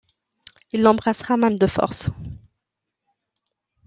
Il l'embrassera même de force.